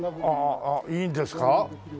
あっいいんですか？